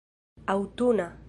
aŭtuna